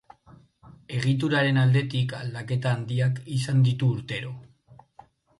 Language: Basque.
Egituraren aldetik aldaketa handiak izan ditu urtero.